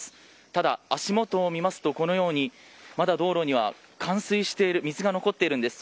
ただ、足元を見ますとこのようにまだ道路には冠水している水が残っているんです。